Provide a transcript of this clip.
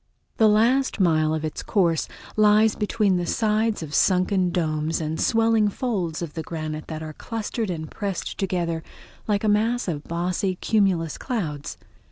The last mile of its course lies between the sides of sunken domes and swelling folds of the granite that are clustered and pressed together like a mass of bossy cumulus clouds.